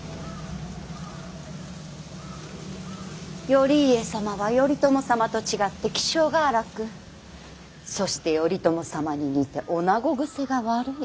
頼家様は頼朝様と違って気性が荒くそして頼朝様に似て女子癖が悪い。